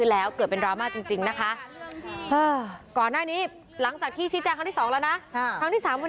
แล้วก็กรับนังอีกงาน